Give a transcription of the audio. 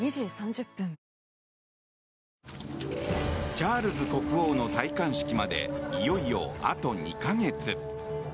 チャールズ国王の戴冠式までいよいよあと２か月。